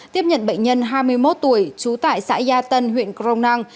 tiếp nhận bệnh nhân hai mươi một tuổi trú tại xã gia tân huyện cronang